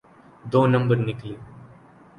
دو number نکلی۔